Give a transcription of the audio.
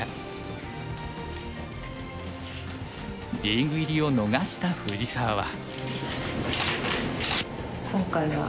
リーグ入りを逃した藤沢は。